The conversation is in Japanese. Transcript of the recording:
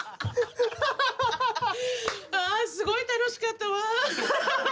ああすごい楽しかったわ。